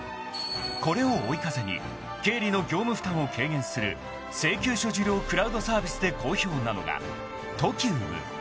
［これを追い風に経理の業務負担を軽減する請求書受領クラウドサービスで好評なのがＴＯＫＩＵＭ］